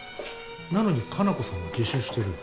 なのに加奈子さんは自首してる。